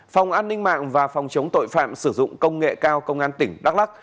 phòng an ninh mạng và phòng chống tội phạm sử dụng công nghệ cao công an tỉnh đắk lắc